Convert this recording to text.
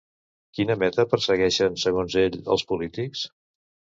Quina meta persegueixen segons ell els polítics?